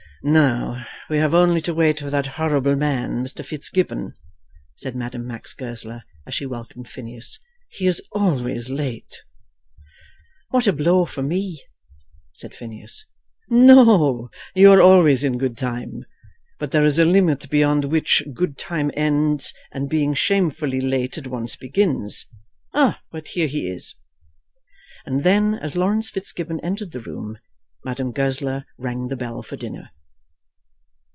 "Now we have only to wait for that horrible man, Mr. Fitzgibbon," said Madame Max Goesler, as she welcomed Phineas. "He is always late." "What a blow for me!" said Phineas. "No, you are always in good time. But there is a limit beyond which good time ends, and being shamefully late at once begins. But here he is." And then, as Laurence Fitzgibbon entered the room, Madame Goesler rang the bell for dinner.